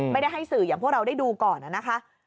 ให้สื่ออย่างพวกเราได้ดูก่อนนะคะ